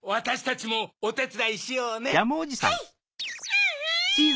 アンアン！